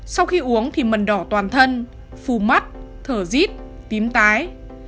sau khi uống thì mần đỏ toàn thân phù mắt thở dít tím tái